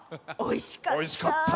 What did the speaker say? おいしかった！